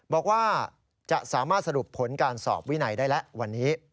บอกว่าจะสามารถสรุปผลการสอบวินัยได้แล้ววันนี้